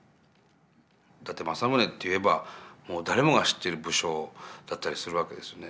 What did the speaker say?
伊達政宗と言えば誰もが知ってる武将だったりするわけですよね。